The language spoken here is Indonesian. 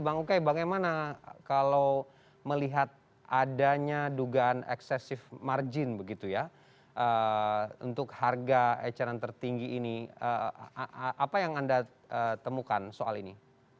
bang ukay bagaimana kalau melihat adanya dugaan eksesif margin begitu ya untuk harga eceran tertinggi ini apa yang anda temukan soal ini